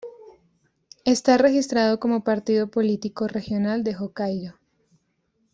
Está registrado como partido político regional de Hokkaidō.